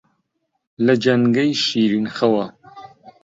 لە جەنگەی شیرن خەوا